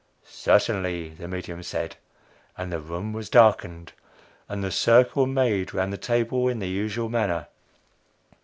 "Certainly," the medium said; and the room was darkened, and the "circle" made round the table in the usual manner.